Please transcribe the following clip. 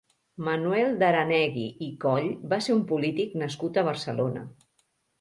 Manuel de Aranegui i Coll va ser un polític nascut a Barcelona.